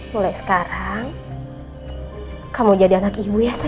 mulai sekarang kamu jadi anak ibu ya